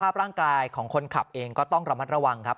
ร่างกายของคนขับเองก็ต้องระมัดระวังครับ